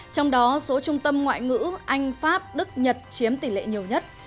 trong đó số trung tâm ngoại ngữ anh pháp đức nhật chiếm tỷ lệ nhiều nhất